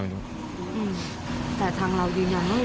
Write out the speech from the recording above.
อืมแต่ท่างเรายืนอาจไม่มี